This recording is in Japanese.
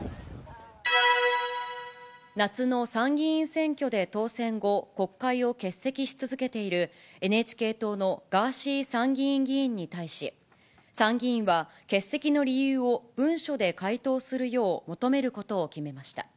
夏の参議院選挙で当選後、国会を欠席し続けている、ＮＨＫ党のガーシー参議院議員に対し、参議院は、欠席の理由を文書で回答するよう求めることを決めました。